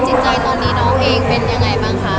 จิตใจตอนนี้น้องเองเป็นยังไงบ้างคะ